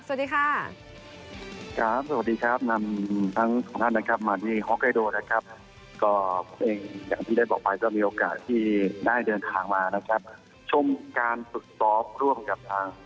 สวัสดีค่ะนำทั้งสองท่านนะครับมาที่ฮอิกเกโดลนะครับ